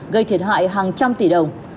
gây thiệt hại hàng trăm tỷ đồng